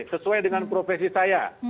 sesuai dengan profesi saya